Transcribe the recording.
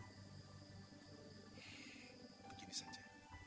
eh begini saja